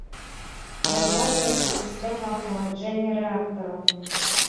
Разладзілася сістэма ахаладжэння рэактараў.